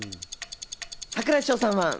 櫻井翔さんは？